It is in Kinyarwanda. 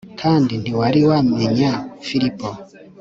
kandi ntiwari wammenya Filipo